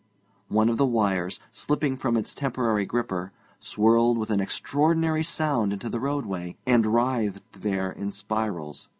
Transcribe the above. One of the wires, slipping from its temporary gripper, swirled with an extraordinary sound into the roadway, and writhed there in spirals.